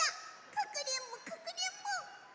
かくれんぼかくれんぼ！